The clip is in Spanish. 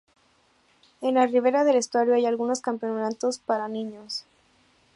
En la ribera del estuario hay algunos campamentos para niños.